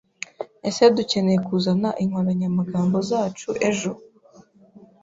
Ese dukeneye kuzana inkoranyamagambo zacu ejo?